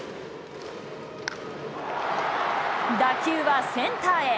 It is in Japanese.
打球はセンターへ。